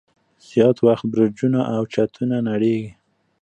زیات وخت برجونه او چتونه نړیږي.